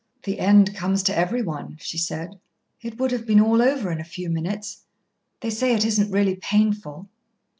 "The end comes to everyone," she said. "It would have been all over in a few minutes. They say it isn't really painful."